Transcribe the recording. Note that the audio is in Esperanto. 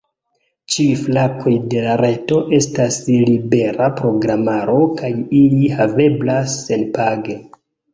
Ĉiuj flankoj de la reto estas libera programaro kaj ili haveblas senpage.